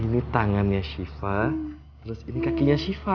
ini tangannya siva terus ini kakinya siva